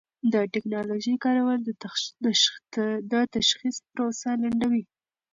د ټېکنالوژۍ کارول د تشخیص پروسه لنډوي.